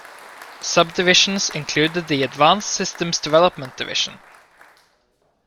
Subdivisions included the Advanced Systems Development Division.